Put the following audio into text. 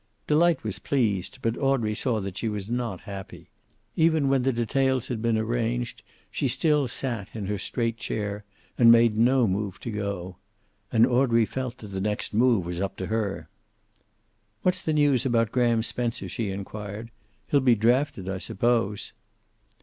Delight was pleased, but Audrey saw that she was not happy. Even when the details had been arranged she still sat in her straight chair and made no move to go. And Audrey felt that the next move was up to her. "What's the news about Graham Spencer?" she inquired. "He'll be drafted, I suppose."